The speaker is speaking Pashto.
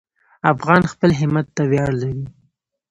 افغان خپل همت ته ویاړ لري.